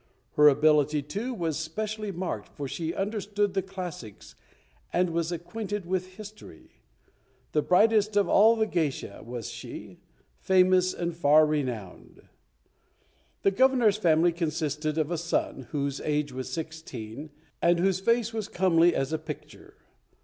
Her ability, too, was specially marked, for she understood the classics and was acquainted with history. The brightest of all the geisha was she, famous and far renowned. The Governor's family consisted of a son, whose age was sixteen, and whose face was comely as a picture.